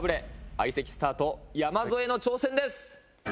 相席スタート・山添の挑戦です。